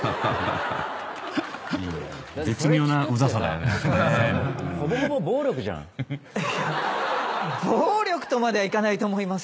いや暴力とまではいかないと思いますけど。